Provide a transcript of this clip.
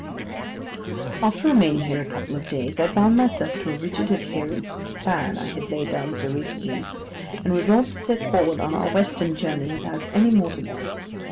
After remaining here a couple of days I bound myself to a rigid adherence to the plan I had laid down so recently, and resolved to set forward on our western journey without any more delay.